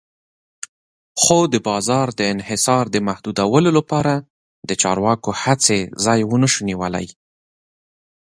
خو د بازار د انحصار د محدودولو لپاره د چارواکو هڅې ځای ونشو نیولی.